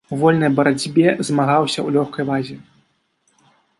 У вольнай барацьбе змагаўся ў лёгкай вазе.